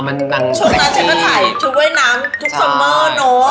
อ๋อมันหนังเซ็กซี่ชุดนาเซ็กก็ถ่ายชุดเว้ยน้ำทุกสมมิตรเนอะ